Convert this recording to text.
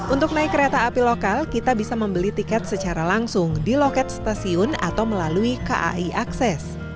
untuk naik kereta api lokal kita bisa membeli tiket secara langsung di loket stasiun atau melalui kai akses